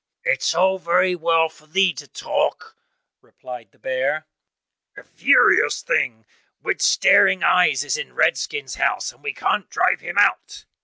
"It is all very well for thee to talk," replied the bear, "a furious beast with staring eyes is in Redskin's house, and we can't drive him out."